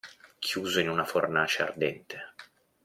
Chiuso in una fornace ardente.